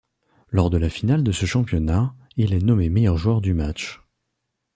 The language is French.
Lors de la finale de ce championnat, il est nommé meilleur joueur du match.